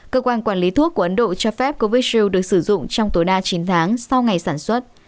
cơ quan quản lý thuốc của ấn độ cho phép covid được sử dụng trong tối đa chín tháng sau ngày sản xuất